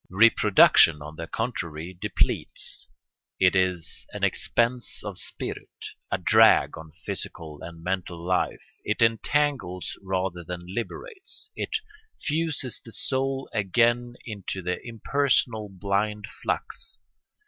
Reproduction, on the contrary, depletes; it is an expense of spirit, a drag on physical and mental life; it entangles rather than liberates; it fuses the soul again into the impersonal, blind flux.